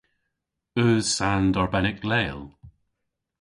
Eus sand arbennek leel?